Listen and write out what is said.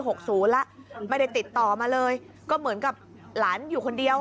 หกศูนย์แล้วไม่ได้ติดต่อมาเลยก็เหมือนกับหลานอยู่คนเดียว